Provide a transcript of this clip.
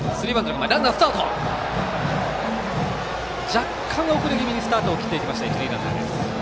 若干遅れ気味にスタートを切った一塁ランナーです。